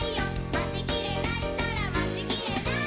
「まちきれないったらまちきれない！」